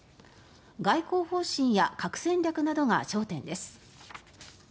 外交方針や核戦略などが焦点です。